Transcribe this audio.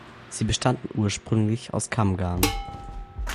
Sie bestanden ursprünglich aus Kammgarn.